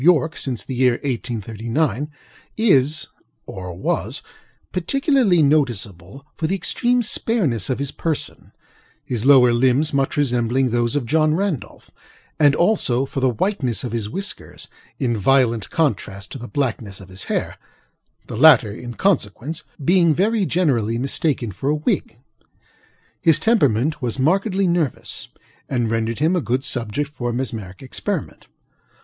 Y., since the year 1839, is (or was) particularly noticeable for the extreme spareness of his personŌĆöhis lower limbs much resembling those of John Randolph; and, also, for the whiteness of his whiskers, in violent contrast to the blackness of his hairŌĆöthe latter, in consequence, being very generally mistaken for a wig. His temperament was markedly nervous, and rendered him a good subject for mesmeric experiment.